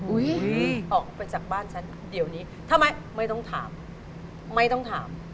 ออกไปจากบ้านฉันเดี๋ยวนี้ทำไมไม่ต้องถามไม่ต้องถาม